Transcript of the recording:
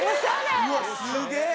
うわっすげえ！